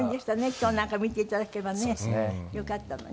今日なんか見ていただければねよかったのに。